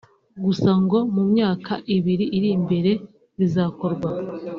gusa ngo mu myaka ibiri iri imbere bizakorwa